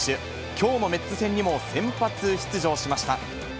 きょうのメッツ戦にも先発出場しました。